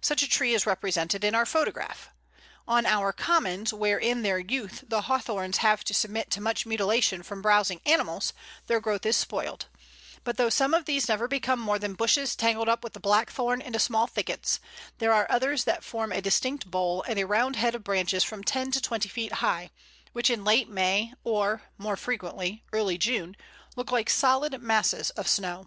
Such a tree is represented in our photograph. On our commons, where in their youth the Hawthorns have to submit to much mutilation from browsing animals, their growth is spoiled; but though some of these never become more than bushes tangled up with Blackthorn into small thickets, there are others that form a distinct bole and a round head of branches from ten to twenty feet high, which in late May or (more frequently) early June look like solid masses of snow.